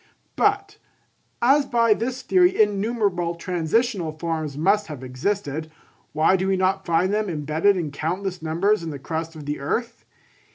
But, as by this theory innumerable transitional forms must have existed, why do we not find them embedded in countless numbers in the crust of the earth?